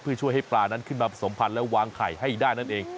เพื่อช่วยให้ปลานั้นขึ้นมาผสมพันธ์และวางไข่ให้ได้นั่นเอง